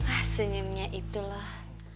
ah senyumnya itulah